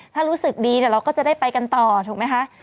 ถ้ารู้สึกดีเราก็จะได้ไปกันต่อถูกไหมคะ